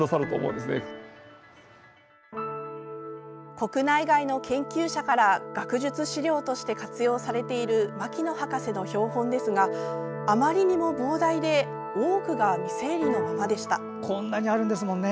国内外の研究者から学術資料として活用されている牧野博士の標本ですがあまりにも膨大で多くが未整理のままでした。